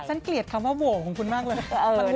เกลียดคำว่าโหวของคุณมากเลย